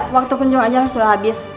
waktu kunjung aja harus udah habis